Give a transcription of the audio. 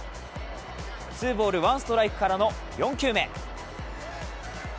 ツーボール・ワンストライクからの４球目。